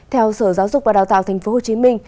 theo sở giáo dục và đào tạo tp hcm